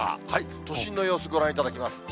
都心の様子、ご覧いただきます。